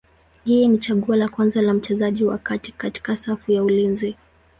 Yeye ni chaguo la kwanza la mchezaji wa kati katika safu ya ulinzi.